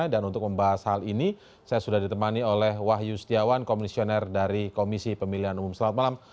dan untuk membahas hal ini saya sudah ditemani oleh wahyu setiawan komisioner dari komisi pemilihan umum selamat malam